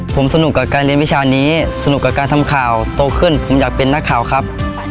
ผมสนุกกับการเรียนวิชานี้สนุกกับการทำข่าวโตขึ้นผมอยากเป็นนักข่าวครับ